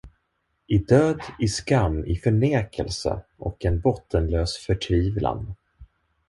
I död, i skam, i förnekelse och en bottenlös förtvivlan.